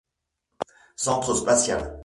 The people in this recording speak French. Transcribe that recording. Centre spatial.